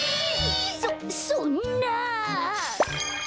そそんな。